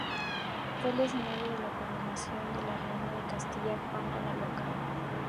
Fue el escenario de la coronación de la reina de Castilla Juana la Loca.